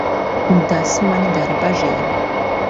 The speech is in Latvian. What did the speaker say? Un tas mani dara bažīgu.